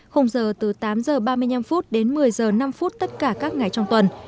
không giờ từ tám h ba mươi năm đến một mươi h năm tất cả các ngày trong tuần